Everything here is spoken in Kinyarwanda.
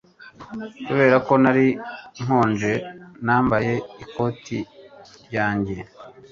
Kubera ko nari nkonje, nambaye ikoti ryanjye.